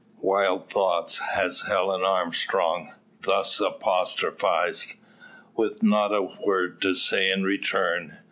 Wild thoughts has Helen Armstrong, thus apostrophised, with not a word to say in return.